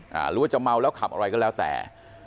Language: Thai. หรือว่าจะเมาแล้วขับอะไรก็แล้วแต่